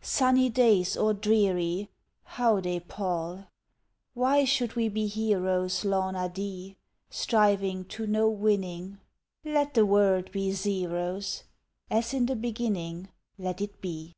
Sunny days or dreary How they pall! Why should we be heroes, Launa Dee, Striving to no winning? Let the world be Zero's! As in the beginning Let it be!